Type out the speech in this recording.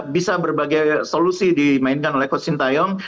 bisa berbagai solusi dimainkan oleh coach sintayong